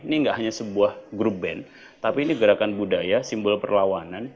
ini gak hanya sebuah grup band tapi ini gerakan budaya simbol perlawanan